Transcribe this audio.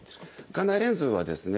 眼内レンズはですね